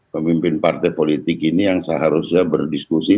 pemimpin partai politik ini yang seharusnya berdiskusi